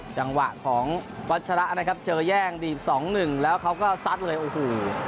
จังหวะของวัชละนะครับเจอย่างดี๒๑แล้วเขาก็ซัดเลยโอ้โห